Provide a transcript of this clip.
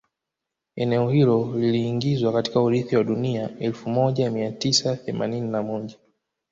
Eneo hilo liliingizwa katika urithi wa dunia elfu moja mia tisa themanini na moja